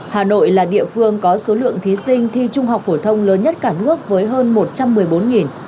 hà nội là địa phương có số lượng thí sinh thi trung học phổ thông lớn nhất cả nước với hơn một trăm một mươi bốn